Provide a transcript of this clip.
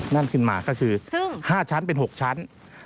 นั่นขึ้นมาก็คือ๕ชั้นเป็น๖ชั้น